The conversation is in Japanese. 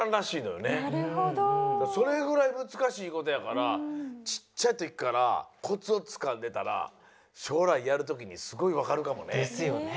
それぐらいむずかしいことやからちっちゃいときからコツをつかんでたらしょうらいやるときにすごいわかるかもね。ですよね。